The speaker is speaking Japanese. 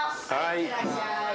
いってらっしゃい。